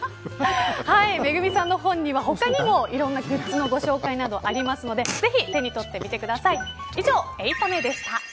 ＭＥＧＵＭＩさんの本には他にもいろいろなものの紹介などもありますのでぜひ手に取ってみてください。